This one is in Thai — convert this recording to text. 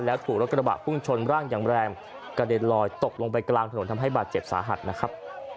แล้วถูกรถกระบะพุ่งชนร่างอย่างแรงกระเด็นลอยตกลงไปกลางถนนทำให้บาดเจ็บสาหัสนะครับ